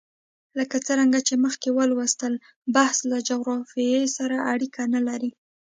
لکه څرنګه چې مخکې ولوستل، بخت له جغرافیې سره اړیکه نه لري.